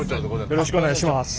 よろしくお願いします。